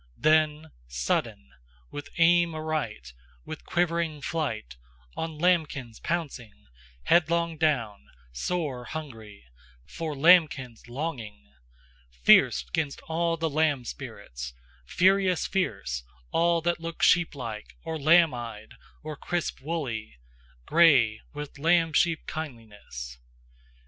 Then, Sudden, With aim aright, With quivering flight, On LAMBKINS pouncing, Headlong down, sore hungry, For lambkins longing, Fierce 'gainst all lamb spirits, Furious fierce 'gainst all that look Sheeplike, or lambeyed, or crisp woolly, Grey, with lambsheep kindliness!